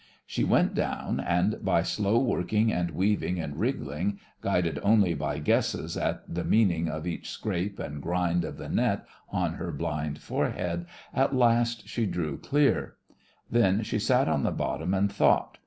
She went down, and by slow working and weaving and wriggling, guided only by guesses at the mean 52 THE FRINGES OF THE FLEET ing of each scrape and grind of the net on her blind forehead, at last she drew clear. Then she sat on the bottom and thought.